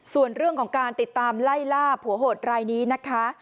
ส่วนเรื่องของการติดตามไล่ล่าผัวโหดรายนี้นะคะ